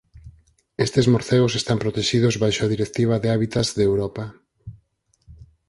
Estes morcegos están protexidos baixo a Directiva de Hábitats de Europa.